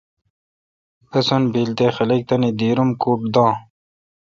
بسنت بیل تے خلق تانی دیر ام کُڈ دان۔